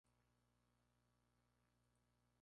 Keisuke Okada lo sucedió como primer ministro.